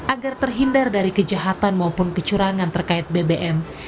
agar terhindar dari kejahatan maupun kecurangan terkait bbm